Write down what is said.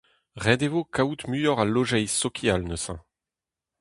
Ret e vo kaout muioc'h a lojeiz sokial neuze.